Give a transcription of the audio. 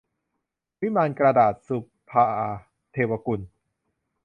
วิมานกระดาษ - สุภาว์ เทวกุล